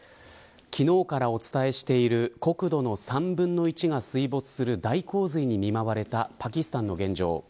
昨日からお伝えしている国土の３分の１が水没する大洪水に見舞われたパキスタンの現状。